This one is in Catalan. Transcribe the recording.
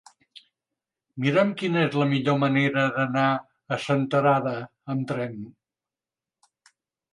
Mira'm quina és la millor manera d'anar a Senterada amb tren.